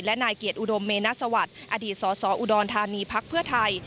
และนายเกียรติอุดมเมนสวัสดิ์อดีตสสอุดรธานีพักเพื่อไทย